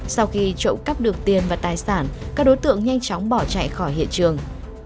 sau khi trộm cắp được tiền và tài sản các đối tượng nhanh chóng bỏ chạy khỏi hiện trường